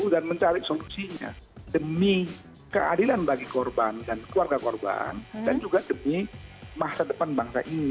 dan mencari solusinya demi keadilan bagi korban dan keluarga korban dan juga demi masa depan bangsa ini